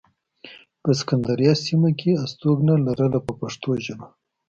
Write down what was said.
په سکندریه سیمه کې یې استوګنه لرله په پښتو ژبه.